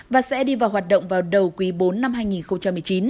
và sẽ đi vào hoạt động vào đầu quý bốn năm hai nghìn một mươi chín